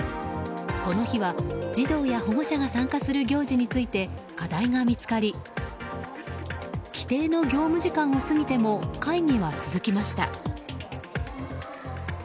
この日は児童や保護者が参加する行事について課題が見つかり規定の業務時間を過ぎても会議は続きました。